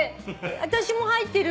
私も入ってる。